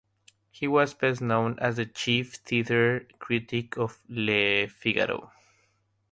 He was best known as the chief theatre critic of "Le Figaro".